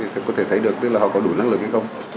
thì có thể thấy được tức là họ có đủ năng lực kỹ công